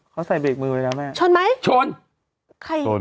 เขาใส่เบรกมือไว้แล้วแม่โชนไหมโชนใส่เบรกมือไว้แล้วแม่โชนไหมโชน